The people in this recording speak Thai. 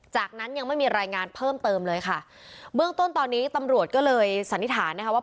จากนั้นยังไม่มีรายงานเพิ่มเติมเลยค่ะเบื้องต้นตอนนี้ตำรวจก็เลยสันนิษฐานนะคะว่า